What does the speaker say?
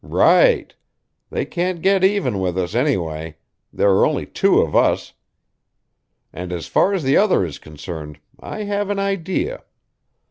"Right; they can't get even with us, anyway; there are only two of us. And as far as the other is concerned, I have an idea."